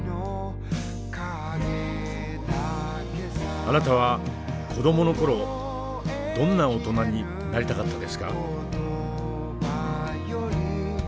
あなたは子どもの頃どんな大人になりたかったですか？